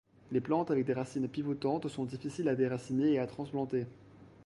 Les plantes avec des racines pivotantes sont difficiles à déraciner et à transplanter.